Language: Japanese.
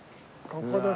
ここです。